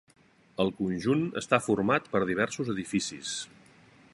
El conjunt està format per diversos edificis.